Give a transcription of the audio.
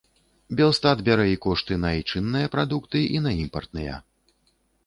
Белстат бярэ і кошты на айчынныя прадукты, і на імпартныя.